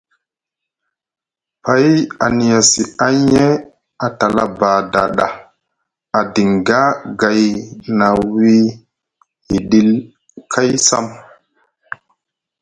Pay a nyasi anye a tala bada ɗa a dinga gay na wii hiɗil kay sam.